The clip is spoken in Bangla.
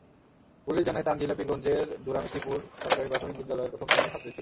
পুলিশ জানায়, তানজিলা পীরগঞ্জের দুরামিথিপুর সরকারি প্রাথমিক বিদ্যালয়ের প্রথম শ্রেণির ছাত্রী ছিল।